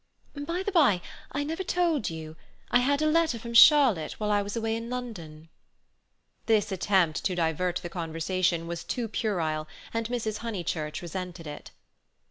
"By the by—I never told you. I had a letter from Charlotte while I was away in London." This attempt to divert the conversation was too puerile, and Mrs. Honeychurch resented it.